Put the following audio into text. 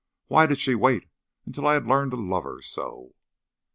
Why did she wait until I had learned to love her so?"